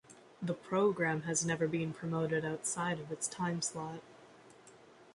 The program has never been promoted outside of its timeslot.